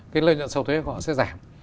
cái lợi nhuận sâu thuế của họ sẽ giảm